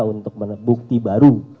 untuk bukti baru